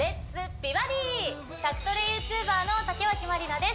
美バディ」宅トレＹｏｕＴｕｂｅｒの竹脇まりなです